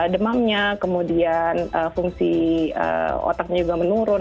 demamnya kemudian fungsi otaknya juga menurun